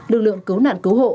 lực lượng cứu nạn cứu hộ